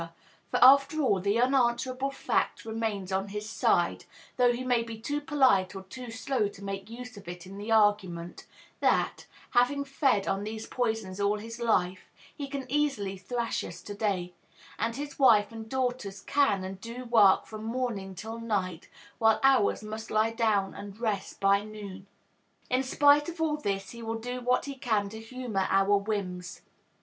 for, after all, the unanswerable fact remains on his side, though he may be too polite or too slow to make use of it in the argument, that, having fed on these poisons all his life, he can easily thrash us to day, and his wife and daughters can and do work from morning till night, while ours must lie down and rest by noon. In spite of all this, he will do what he can to humor our whims.